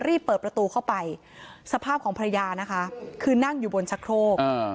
รีบเปิดประตูเข้าไปสภาพของภรรยานะคะคือนั่งอยู่บนชะโครก